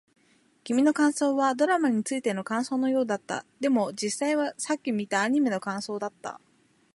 君の感想はドラマについての感想のようだった。でも、実際はさっき見たアニメの感想だった。